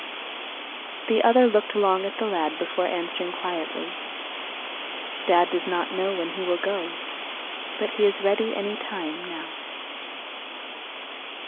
The other looked long at the lad before answering quietly, "Dad does not know when he will go. But he is ready any time, now."